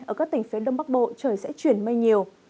ở các tỉnh phía đông bắc bộ trời sẽ chuyển mây nhiều